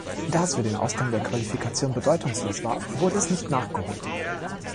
Da es für den Ausgang der Qualifikation bedeutungslos war, wurde es nicht nachgeholt.